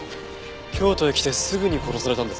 京都へ来てすぐに殺されたんですかね？